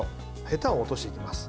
へたを落としていきます。